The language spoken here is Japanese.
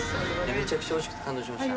めちゃくちゃおいしくて感動しました。